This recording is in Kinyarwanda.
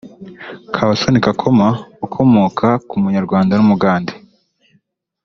Kabasomi Kakoma (ukomoka ku munyarwanda n’Umugande)